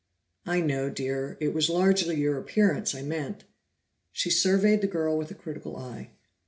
"I know, Dear; it was largely your appearance I meant." She surveyed the girl with a critical eye.